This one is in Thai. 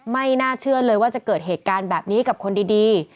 ไม่น่าเชื่อเลยว่าจะเกิดเหตุการณ์แบบนี้กับคนดี